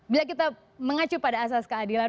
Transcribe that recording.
bila kita mengacu pada asas keadilan